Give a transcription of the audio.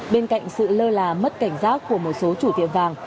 bên cạnh sự lơ là mất cảnh giác của một số chủ tiệm vàng